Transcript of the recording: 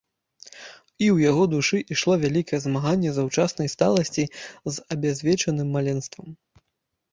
І ў яго душы ішло вялікае змаганне заўчаснай сталасці з абязвечаным маленствам.